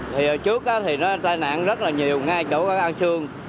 thì trước thì nó tai nạn rất là nhiều ngay chỗ an sơn